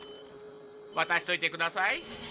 渡しといてください。